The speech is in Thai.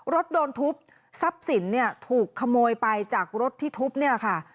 รถโดนทุบทรัพย์สินเนี่ยถูกขโมยไปจากรถที่ทุบเนี่ยแหละค่ะ